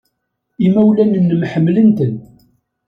Imawlan-nnem ḥemmlen-ten.